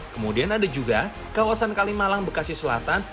kemudian ada juga kawasan kalimalang bekasi selatan